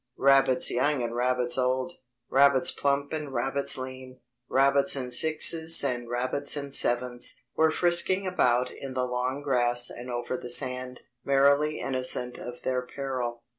Rabbits young and rabbits old, rabbits plump and rabbits lean, rabbits in sixes and rabbits in sevens, were frisking about in the long grass and over the sand, merrily innocent of their peril.